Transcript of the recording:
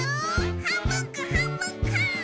はんぶんこはんぶんこ！